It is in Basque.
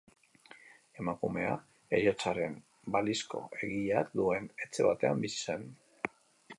Emakumea heriotzaren balizko egileak duen etxe batean bizi zen.